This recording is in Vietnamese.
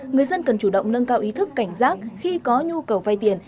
người dân cần chủ động nâng cao ý thức cảnh giác khi có nhu cầu vay tiền